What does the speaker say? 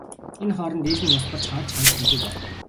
Энэ хооронд ээж нь нас барж харж хандах хүнгүй болов.